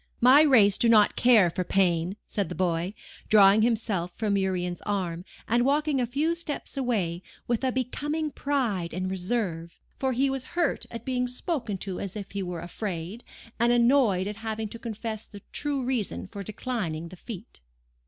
"'My race do not care for pain,' said the boy, drawing himself from Urian's arm, and walking a few steps away, with a becoming pride and reserve; for he was hurt at being spoken to as if he were afraid, and annoyed at having to confess the true reason for declining the feat.